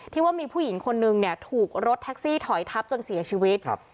ว่ามีผู้หญิงคนนึงเนี่ยถูกรถแท็กซี่ถอยทับจนเสียชีวิตครับ